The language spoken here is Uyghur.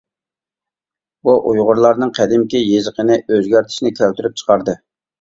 بۇ ئۇيغۇرلارنىڭ قەدىمكى يېزىقىنى ئۆزگەرتىشنى كەلتۈرۈپ چىقاردى.